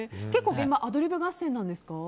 現場はアドリブ合戦なんですか？